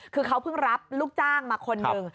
คือเขาเพิ่งรับลูกจ้างมาคนหนึ่ง